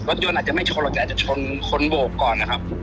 รถยนต์อาจจะไม่ชนอาจจะชนคนโบกก่อนนะครับ